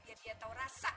biar dia tau rasa